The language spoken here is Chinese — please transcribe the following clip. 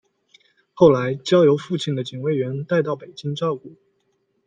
后来交由父亲的警卫员带到北京照顾。